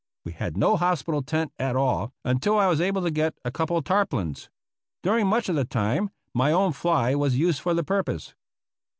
We had no hospital tent at all un til I was able to get a couple of tarpaulins. During much of the time my own fly was used for the purpose.